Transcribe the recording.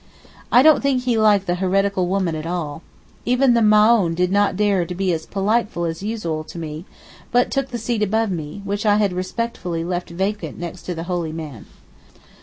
I don't think he liked the heretical woman at all. Even the Maōhn did not dare to be as 'politeful' as usual to me, but took the seat above me, which I had respectfully left vacant next to the holy man.